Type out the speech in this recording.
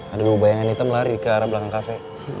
ada dua bayangan hitam lari ke arah belakang cafe